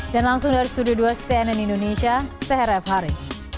dan langsung dari studio dua cnn indonesia crf hari